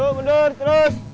yuk mundur terus